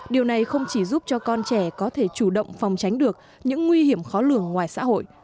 điều này không chỉ giúp cho con trẻ có thể chủ động phòng tránh được những nguy hiểm khó lường ngoài xã hội